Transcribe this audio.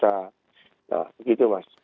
nah begitu mas